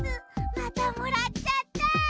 またもらっちゃった！